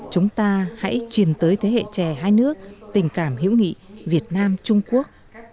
chúng ta hãy truyền tới thế hệ trẻ hai nước tình cảm hữu nghị việt nam trung quốc